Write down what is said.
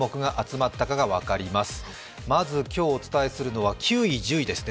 まず今日お伝えするのは９位、１０位ですね。